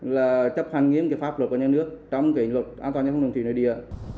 là chấp hành nghiêm pháp luật của nhà nước trong kỷ luật an toàn nhất không đồng thủy nơi địa